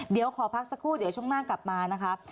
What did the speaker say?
เดี๋ยวขอพักสักครู่เดี๋ยวช่วงหน้ากลับมานะคะ